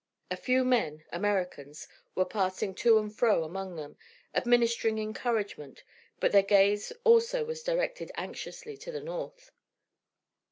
A few men, Americans, were passing to and fro among them, administering encouragement; but their gaze also was directed anxiously to the north.